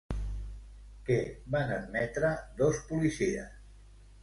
Què van admetre dos policies?